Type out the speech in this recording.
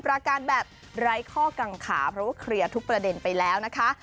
รายการแบบไร้ข้อกังขาเพราะว่าเคลียร์ทุกประเด็นไปแล้วนะคะ